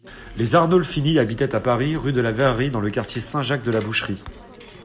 Les Arnolfini habitaient à Paris, rue de la Verrerie, dans le quartier Saint-Jacques-de-la-Boucherie.